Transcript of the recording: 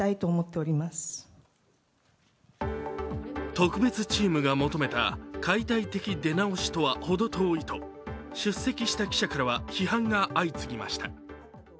特別チームが求めた解体的出直しとはほど遠いと、出席した記者からは批判が相次ぎました。